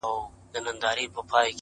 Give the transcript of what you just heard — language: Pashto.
• هغه وكړې سوگېرې پــه خـاموشـۍ كي.